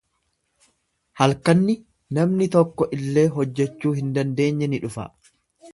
Halkanni namni tokko illee hojjachuu hin dandeenye ni dhufa.